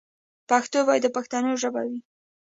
پښتو باید د پښتنو ژبه وي.